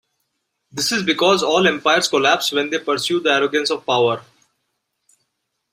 This is because all empires collapse when they pursue the arrogance of power.